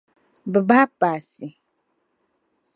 Bɛ bahi paasi.